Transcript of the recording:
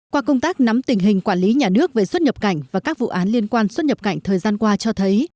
qua công tác nắm tình hình quản lý nhà nước về xuất nhập cảnh và các vụ án liên quan xuất nhập cảnh thời gian qua cho thấy